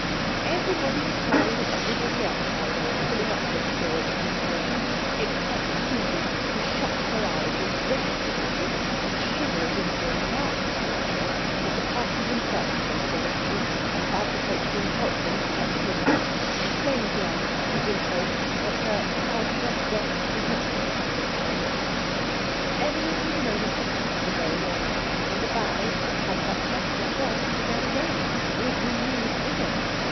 Everybody was smiling at everybody else by way of filling up this pause of hesitation, except Susie, who shut her eyes with great dignity, and shivered in so marked a manner that the parson himself came to the rescue, and bade the coachman help him put up the hood again, explaining to Anna as he did so that her Frau Schwester was not used to the climate. Evidently the moment had come for going on, and the bows that had but just left off began again with renewed vigour.